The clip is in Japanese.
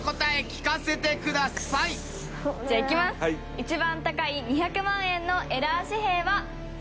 一番高い２００万円のエラー紙幣はせーの。